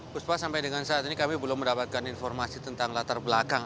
puspa sampai dengan saat ini kami belum mendapatkan informasi tentang latar belakang